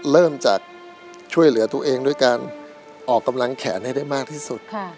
เริ่มจากช่วยเหลือตัวเองด้วยการออกกำลังแขนให้ได้มากที่สุด